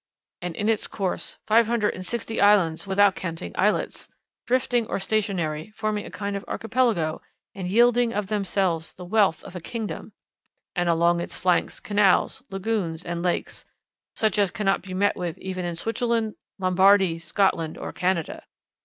"And in its course five hundred and sixty islands, without counting islets, drifting or stationary, forming a kind of archipelago, and yielding of themselves the wealth of a kingdom!" "And along its flanks canals, lagoons, and lakes, such as cannot be met with even in Switzerland, Lombardy, Scotland, or Canada."